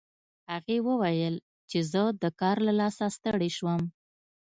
هغې وویل چې زه د کار له لاسه ستړې شوم